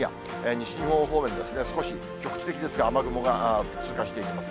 西日本方面ですね、少し局地的ですが、雨雲が通過していきます。